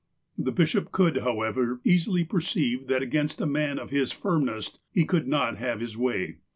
The bishop could, however, easily perceive that against a man of his firmness, he could not have his way.